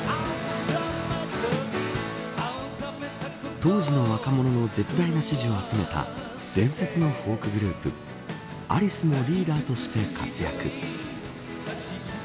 当時の若者の絶大な支持を集めた伝説のフォークグループアリスのリーダーとして活躍。